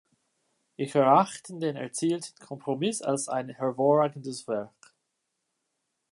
Ich erachten den erzielten Kompromiss als ein hervorragendes Werk.